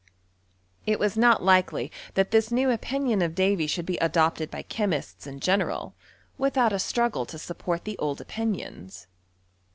It was not likely that this new opinion of Davy * should be adopted by chemists in general, without a struggle to support the old opinions.